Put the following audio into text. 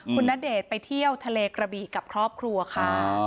คุณณเดชน์ไปเที่ยวทะเลกระบี่กับครอบครัวค่ะ